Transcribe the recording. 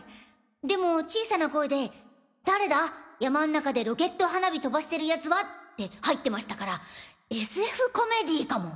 でも小さな声で「誰だ？山ん中でロケット花火飛ばしてる奴は」って入ってましたからＳＦコメディーかも。